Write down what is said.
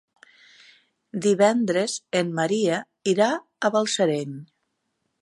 Divendres en Maria irà a Balsareny.